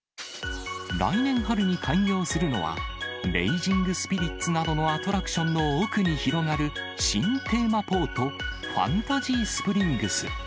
来年春に開業するのは、レイジングスピリッツなどのアトラクションの奥に広がる、新テーマポート、ファンタジースプリングス。